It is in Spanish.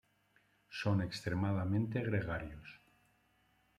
Son extremadamente gregarios.